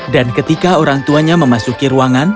dan ketika orangtuanya memasuki ruangan